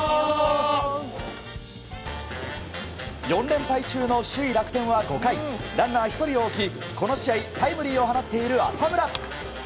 ４連敗中の首位、楽天は５回ランナー１人を置き、この試合タイムリーを放っている浅村。